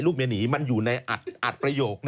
เมียหนีมันอยู่ในอัดประโยค